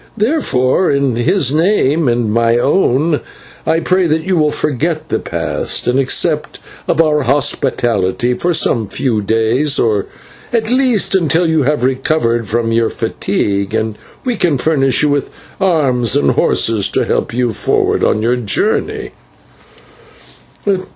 Therefore, in his name and my own, I pray that you will forget the past and accept of our hospitality for some few days, or at least until you have recovered from your fatigue and we can furnish you with arms and horses to help you forward on your journey."